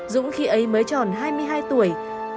dũng khi ấy mới tròn hai mươi hai tuổi